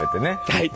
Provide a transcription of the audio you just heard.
はい。